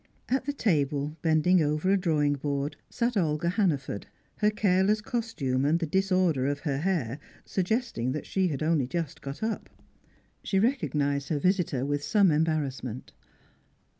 At the table, bending over a drawing board, sat Olga Hannaford, her careless costume and the disorder of her hair suggesting that she had only just got up. She recognised her visitor with some embarrassment.